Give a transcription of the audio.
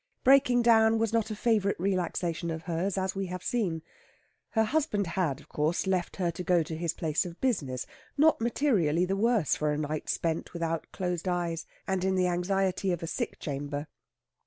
Breaking down was not a favourite relaxation of hers, as we have seen. Her husband had, of course, left her to go to his place of business, not materially the worse for a night spent without closed eyes and in the anxiety of a sick chamber.